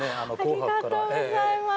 ありがとうございます。